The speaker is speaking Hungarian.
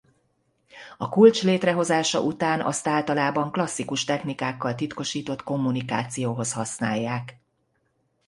A kulcs létrehozása után azt általában klasszikus technikákkal titkosított kommunikációhoz használják.